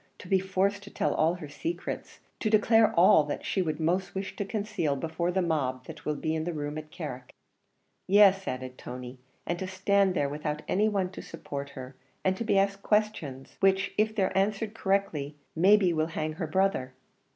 to be forced to tell all her secrets, to declare all that she would most wish to conceal before the mob that will be in the room at Carrick." "Yes," added Tony, "and to stand there without any one to support her, and to be asked questions, which if they're answered correctly, may be will hang her brother."